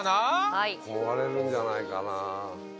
はい割れるんじゃないかな？